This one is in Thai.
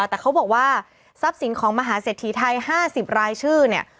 แต่เขาบอกว่าทรัพย์สินของมหาเศรษฐีไทย๕๐รายชื่อเนี่ย